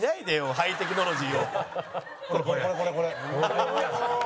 ハイテクノロジーを。